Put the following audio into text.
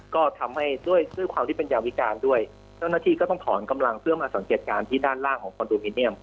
ก็ทำให้ด้วยด้วยความที่เป็นยาวิการด้วยเจ้าหน้าที่ก็ต้องถอนกำลังเพื่อมาสังเกตการณ์ที่ด้านล่างของคอนโดมิเนียม